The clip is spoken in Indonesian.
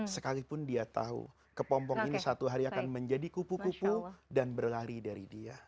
sekalipun dia tahu kepompong ini satu hari akan menjadi kupu kupu dan berlari dari dia